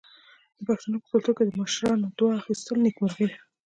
د پښتنو په کلتور کې د مشرانو دعا اخیستل نیکمرغي ده.